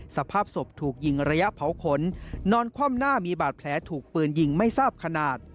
สภาพศพถูกยิงระยะเผาขนนอนคว่ำหน้ามีบาดแผลถูกปืนยิงไม่ทราบขนาด